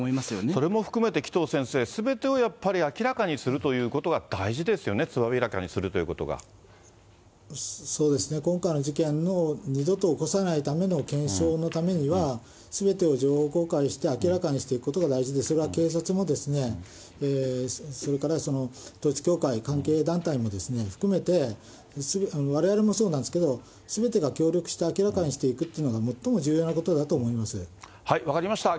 それも含めて紀藤先生、すべてをやっぱり明らかにするということが大事ですよね、つまびらかにするといそうですね、今回の事件を、二度と起こさないための検証のためには、すべてを情報公開して、明らかにしていくことが大事で、それは警察も、それから統一教会、関係団体も含めて、われわれもそうなんですけど、すべてが協力して明らかにしていくというのが最も重要なことだと分かりました。